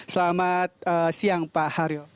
selamat siang pak haryo